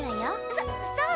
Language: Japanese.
そそう？